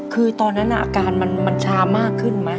คือตอนนั้นอาการมันชามากขึ้นไหม